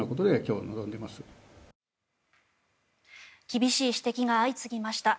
厳しい指摘が相次ぎました。